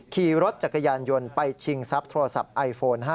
ขี่รถจักรยานยนต์ไปชิงทรัพย์โทรศัพท์ไอโฟน๕